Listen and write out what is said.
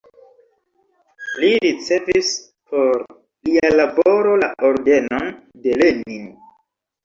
Li ricevis por lia laboro la Ordenon de Lenin.